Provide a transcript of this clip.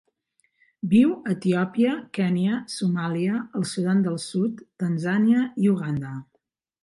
Viu a Etiòpia, Kenya, Somàlia, el Sudan del Sud, Tanzània i Uganda.